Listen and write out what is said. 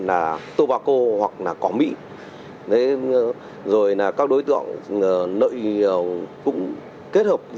ma túy tổng hợp